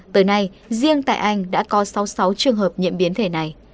tới nay riêng tại anh đã có sáu mươi sáu trường hợp nhiễm biến thể này